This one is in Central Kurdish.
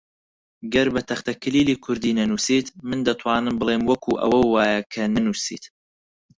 گەر بە تەختەکلیلی کوردی نەنووسیت، من دەتوانم بڵێم وەکو ئەوە وایە کە نەنووسیت